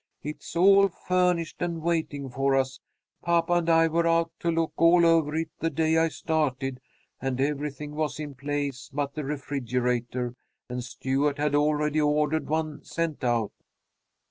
It's all furnished and waiting for us. Papa and I were out to look all over it the day I started, and everything was in place but the refrigerator, and Stuart had already ordered one sent out.'